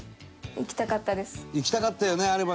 行きたかったよねあればね。